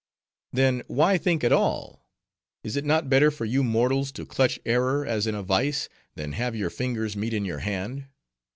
"Then, why think at all? Is it not better for you mortals to clutch error as in a vice, than have your fingers meet in your hand?